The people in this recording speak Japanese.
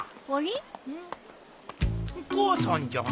お母さんじゃな。